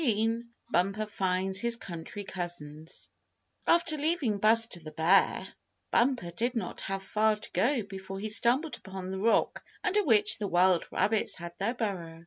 STORY XV BUMPER FINDS HIS COUNTRY COUSINS After leaving Buster the Bear, Bumper did not have far to go before he stumbled upon the rock under which the wild rabbits had their burrow.